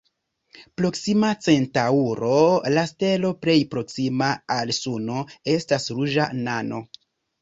Proksima Centaŭro, la stelo plej proksima al Suno, estas ruĝa nano.